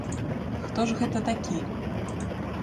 Хто ж гэта такі?